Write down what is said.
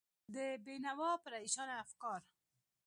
د بېنوا پرېشانه افکار